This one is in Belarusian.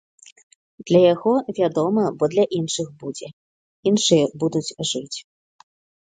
Для яго, вядома, бо для іншых будзе, іншыя будуць жыць.